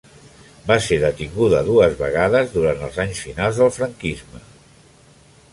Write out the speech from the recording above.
Va ser detinguda dues vegades durant els anys finals del franquisme.